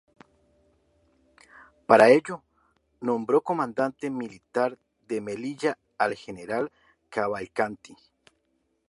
Para ello, nombró Comandante Militar de Melilla al general Cavalcanti.